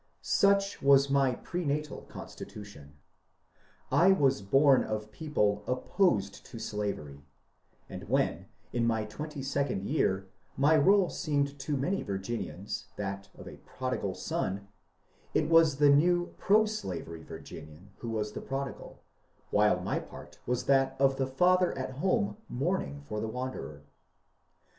Such was my pre natal constitution. I was born of people opposed to slavery, and when in my twenty second year my role seemed to many Virginians that of the Prodigal Son, it was the new proslavery Virginian who was the Prodigal, while my part was that of the father at home mourning for the wanderer.